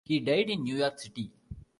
He died in New York City.